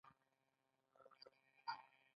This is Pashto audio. که بست نه وي نو تقرر نه کیږي.